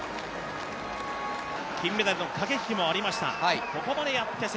金メダルの駆け引きもありました。